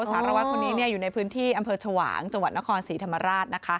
สารวัตรคนนี้อยู่ในพื้นที่อำเภอชวางจังหวัดนครศรีธรรมราช